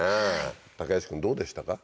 武石君どうでしたか？